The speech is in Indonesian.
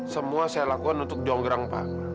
semua saya lakukan untuk jonggrang pak